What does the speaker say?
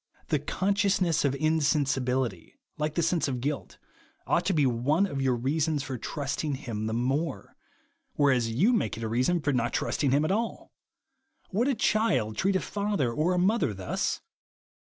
The consciousness of insensibility, like the sense of guilt, ought to be one of your reasons for trusting him the more, whereas you make it a reason for not trusting him at all. Would a child treat a father or a mother thus